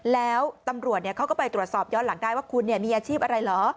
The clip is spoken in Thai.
แล้วตำรวจเขาก็ไปตรวจสอบย้อนหลังได้ว่าคุณมีอาชีพอะไรเหรอ